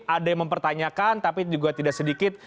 ada yang mempertanyakan tapi juga tidak sedikit